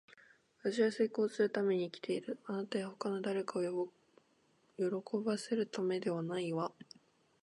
私は成功するために生きている。あなたや他の誰かを喜ばせるためではないわ。